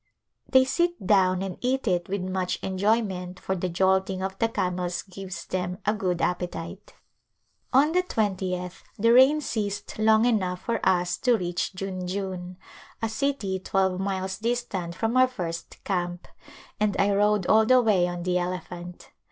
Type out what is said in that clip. They sit down and eat it with much enjoyment for the jolting of the camels gives them a good appetite. A Visit to Besaii On the twentieth the rain ceased long enough for us to reach Junjun, a city twelve miles distant from our first camp, and I rode all the way on the elephant.